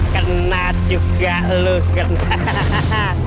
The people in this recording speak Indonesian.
kena juga lu hahaha